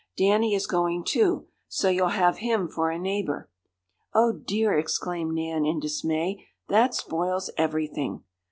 Danny is going, too. So you'll have him for a neighbor." "Oh, dear!" exclaimed Nan, in dismay. "That spoils everything!"